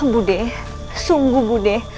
bude sungguh bude